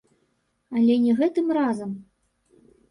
Але не гэтым разам.